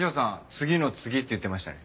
次の次って言ってましたね。